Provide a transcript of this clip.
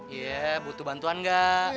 iya butuh bantuan gak